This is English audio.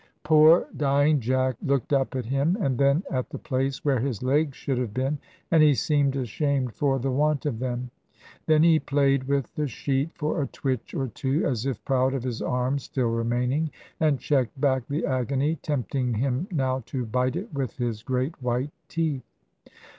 Poor dying Jack looked up at him, and then at the place where his legs should have been, and he seemed ashamed for the want of them. Then he played with the sheet for a twitch or two, as if proud of his arms still remaining; and checked back the agony tempting him now to bite it with his great white teeth.